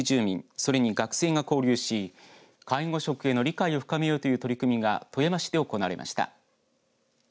それに学生が交流し介護職への理解を深めようという取り組みが富山市で行われました。